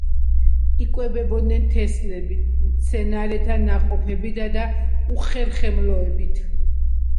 იკვებებოდნენ თესლებით, მცენარეთა ნაყოფებითა და უხერხემლოებით.